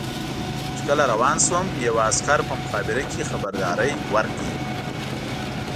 چې کله روان شوم یوه عسکر په مخابره کې خبرداری ورکړ.